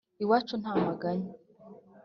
Iwacu nta maganya